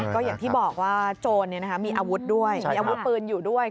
ก็อย่างที่บอกว่าโจรมีอาวุธด้วยมีอาวุธปืนอยู่ด้วย